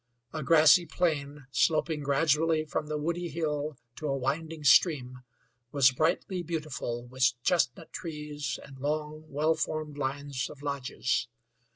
A grassy plain, sloping gradually from the woody hill to a winding stream, was brightly beautiful with chestnut trees and long, well formed lines of lodges.